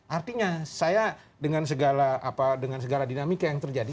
artinya saya dengan segala dinamika yang terjadi